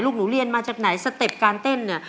หนูเรียนมาจากไหนสเต็ปการเต้นเนี่ย